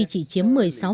chỉ chiếm một mươi sáu